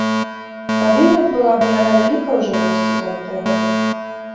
Павінна была бы яна вялікая ўжо вырасці за гэтыя гады.